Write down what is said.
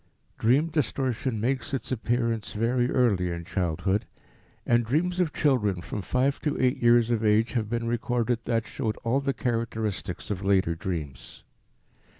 Dream distortion makes its appearance very early in childhood, and dreams of children from five to eight years of age have been recorded that showed all the characteristics of later dreams.